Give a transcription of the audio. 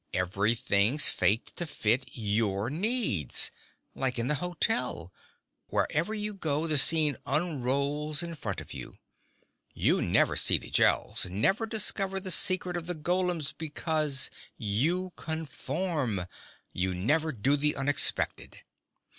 Everything's faked to fit your needs like in the hotel. Wherever you go, the scene unrolls in front of you. You never see the Gels, never discover the secret of the golems because you conform. You never do the unexpected."